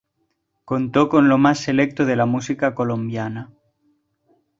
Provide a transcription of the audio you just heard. Contó con lo más selecto de la música colombiana.